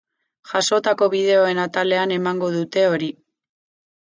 Jasotako bideoen atalean emango dute hori.